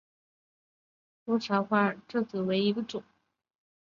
多花茶藨子为虎耳草科茶藨子属下的一个种。